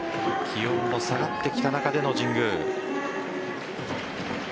気温も下がってきた中での神宮。